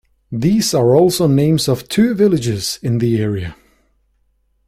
These are also the names of two villages in the area.